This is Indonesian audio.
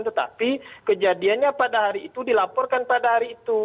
tetapi kejadiannya pada hari itu dilaporkan pada hari itu